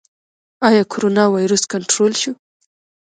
آیا کرونا ویروس کنټرول شو؟